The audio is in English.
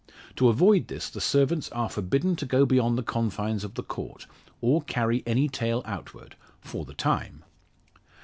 To avoid this the servants are forbidden to go beyond the confines of the Court, or carry any tale outward for the time.